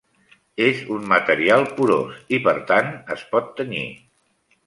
És un material porós i, per tant, es pot tenyir.